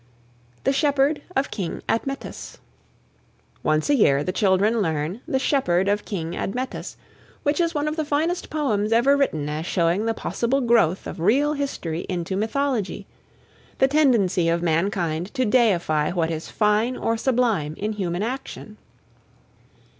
THE SHEPHERD OF KING ADMETUS. Once a year the children learn "The Shepherd of King Admetus," which is one of the finest poems ever written as showing the possible growth of real history into mythology, the tendency of mankind to deify what is fine or sublime in human action.